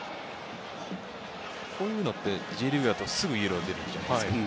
こういうのってＪリーグだとすぐイエロー出るじゃないですか。